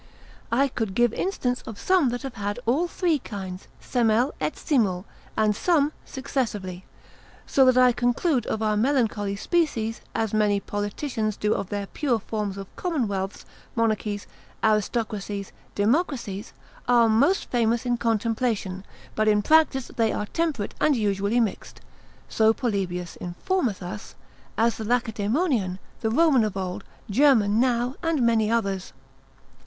I could give instance of some that have had all three kinds semel et simul, and some successively. So that I conclude of our melancholy species, as many politicians do of their pure forms of commonwealths, monarchies, aristocracies, democracies, are most famous in contemplation, but in practice they are temperate and usually mixed, (so Polybius informeth us) as the Lacedaemonian, the Roman of old, German now, and many others.